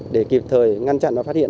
để kịp thời ngăn chặn và phát hiện